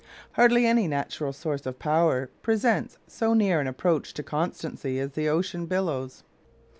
Hardly any natural source of power presents so near an approach to constancy as the ocean billows.